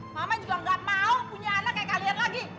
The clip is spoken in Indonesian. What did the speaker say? mama juga nggak mau punya anak kayak kalian lagi